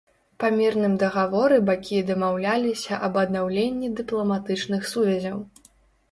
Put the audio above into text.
Па мірным дагаворы бакі дамаўляліся аб аднаўленні дыпламатычных сувязяў.